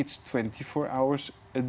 itu dua puluh empat jam sehari